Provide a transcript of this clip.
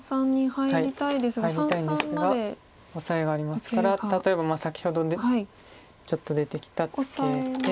入りたいんですがオサエがありますから例えば先ほどちょっと出てきたツケて。